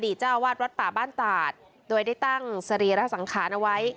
เจ้าวาดวัดป่าบ้านตาดโดยได้ตั้งสรีระสังขารเอาไว้